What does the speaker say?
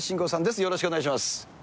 よろしくお願いします。